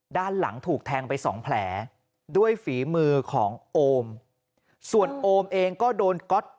ด้านหลังถูกแทงไปสองแผลด้วยฝีมือของโอมส่วนโอมเองก็โดนก๊อต